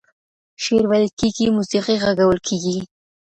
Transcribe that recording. شعر ويل کېږي، موسيقي غږول کېږي.